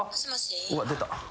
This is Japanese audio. うわっ出た。